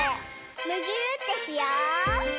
むぎゅーってしよう！